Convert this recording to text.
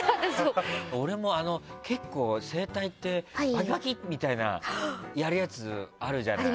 俺も結構、整体ってバキバキッみたいなやるやつあるじゃない？